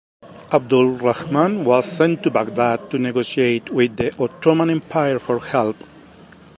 Abdul Rahman was sent to Baghdad to negotiate with the Ottoman Empire for help.